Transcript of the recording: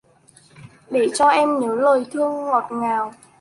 Để cho em nhớ lời thương ngọt ngào